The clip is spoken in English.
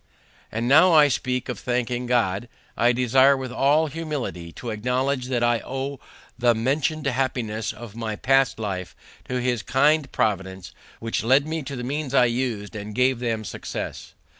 And now I speak of thanking God, I desire with all humility to acknowledge that I owe the mentioned happiness of my past life to His kind providence, which lead me to the means I used and gave them success.